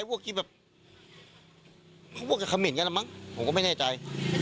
พวกกี้แบบพวกกี้เขมินกันอ่ะมั้งผมก็ไม่แน่ใจ